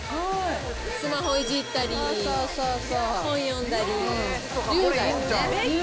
スマホいじったり、本読んだり、優雅やね。